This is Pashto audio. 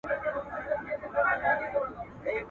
راستي کمي نه لري.